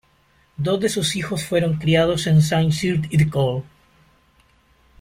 Dos de sus hijos fueron criados en Saint-Cyr-l'École.